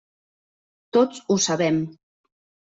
Tots ho sabem.